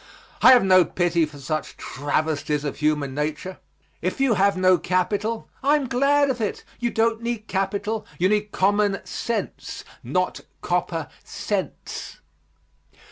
I have no pity for such travesties of human nature. If you have no capital, I am glad of it. You don't need capital; you need common sense, not copper cents.